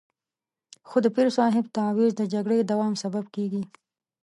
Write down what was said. خو د پیر صاحب تعویض د جګړې دوام سبب کېږي.